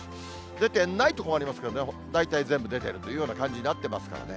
出てない所もありますけどね、大体全部出てるというような感じになってますからね。